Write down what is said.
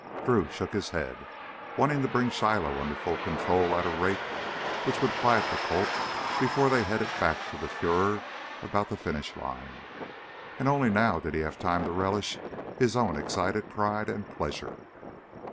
Drew shook his head, wanting to bring Shiloh under full control at a rate which would quiet the colt before they headed back to the furor about the finish line. And only now did he have time to relish his own excited pride and pleasure.